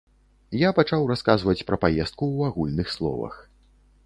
Я пачаў расказваць пра паездку ў агульных словах.